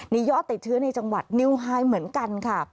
มียอดติดเชื้อในจังหวัดนิวไฮเหมือนกันค่ะ